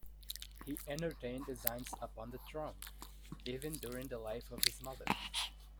He entertained designs upon the throne, even during the life of his mother.